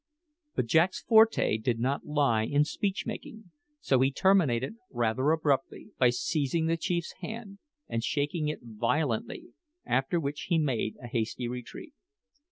But Jack's forte did not lie in speech making, so he terminated rather abruptly by seizing the chief's hand and shaking it violently, after which he made a hasty retreat.